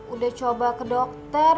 udah coba ke dokter